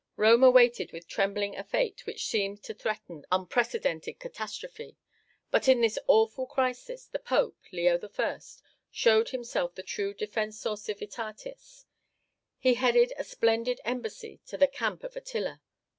Rome awaited with trembling a fate which seemed to threaten unprecedented catastrophe. But in this awful crisis the Pope, Leo I., showed himself the true Defensor civitatis. He headed a splendid embassy to the camp of Attila.